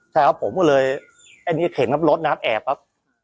ใช่แล้วผมก็เลยอันนี้เห็นครับรถนะครับแอบแรบ